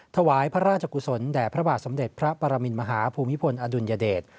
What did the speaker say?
ถวายพระราชกุศลแด่พระบาทสมเด็จพระปรมินมหาภูมิพลอดุลยเดช